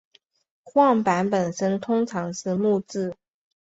晃板本身通常是木制。